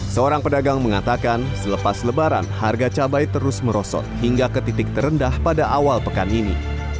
seorang pedagang mengatakan selepas lebaran harga cabai terus merosot hingga ke titik terendah pada awal pekan ini